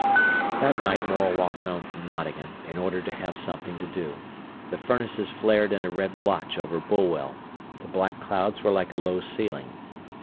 That night Morel walked home from Nottingham, in order to have something to do. The furnaces flared in a red blotch over Bulwell; the black clouds were like a low ceiling.